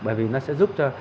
bởi vì nó sẽ giúp cho